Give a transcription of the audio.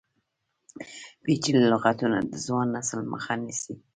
پیچلي لغتونه د ځوان نسل مخه نیسي.